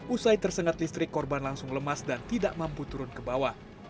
usai tersengat listrik korban langsung lemas dan tidak mampu turun ke bawah